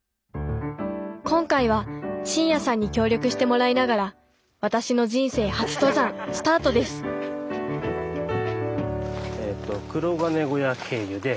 今回は進也さんに協力してもらいながら私の人生初登山スタートですくろがね小屋経由で６ｋｍ。